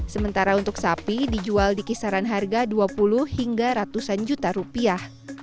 sementara untuk sapi dijual di kisaran harga dua puluh hingga ratusan juta rupiah